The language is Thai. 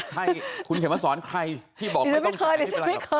ใช่คุณเขียนมาสอนใครที่บอกไม่ต้องใช้ไม่เป็นไรหรอก